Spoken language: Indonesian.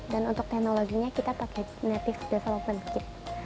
dan untuk teknologinya kita pakai native development kit